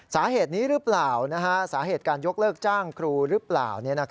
สาเหตุนี้หรือเปล่าสาเหตุการยกเลิกจ้างครูหรือเปล่า